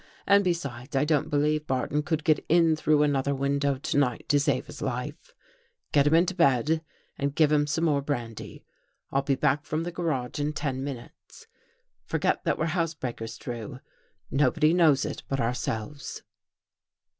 And besides, I don't believe Barton could get in through another window to night to save his life. Get him into bed and give 237 THE GHOST GIRL him some more brandy. I'll be back from the gar age in ten minutes. Forget that we're house breakers, Drew. Nobody knows it but ourselves."